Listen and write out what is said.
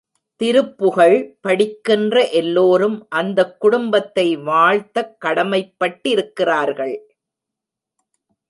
திருப்புகழ் படிக்கின்ற எல்லோரும் அந்தக் குடும்பத்தை வாழ்த்தக் கடமைப்பட்டிருக்கிறார்கள்.